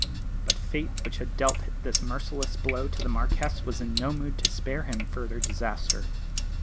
But fate which had dealt this merciless blow to the Marquess was in no mood to spare him further disaster.